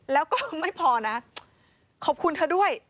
แล้วก็ไม่พอนะขอบคุณเธอด้วย